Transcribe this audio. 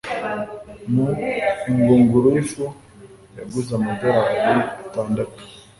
Mu , ingunguru yifu yaguze amadorari atandatu.